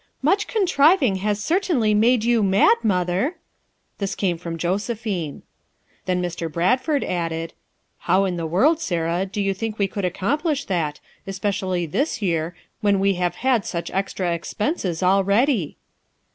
"Much contriving has certainly made you mad, Mother. " This camo from Josephine. Then Mr. Bradford added, "How in the world, Sarah, do you think wo could accomplish that, especially this year when we have had such extra expenses al ready?"